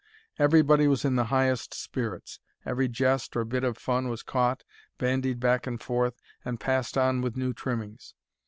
Everybody was in the highest spirits; every jest or bit of fun was caught, bandied back and forth, and passed on with new trimmings.